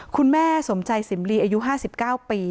คุณแม่สมใจสิมลีอายุ๕๙ปี